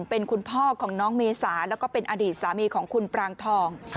เป็นคุณพ่อของน้องเมษาแล้วก็เป็นอดีตสามีของคุณปรางทอง